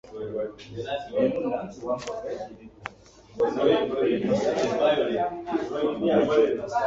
Ssebo nno weewuunye ya buseere!